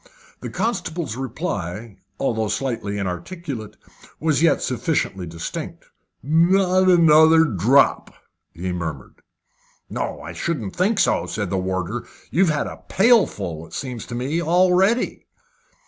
The constable's reply, although slightly inarticulate, was yet sufficiently distinct. "Not another drop!" he murmured. "No, I shouldn't think so," said the warder. "You've had a pailful, it seems to me, already."